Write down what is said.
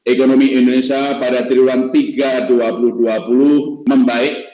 ekonomi indonesia pada triwulan tiga dua ribu dua puluh membaik